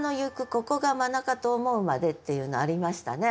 ここが真中と思ふまで」っていうのありましたね。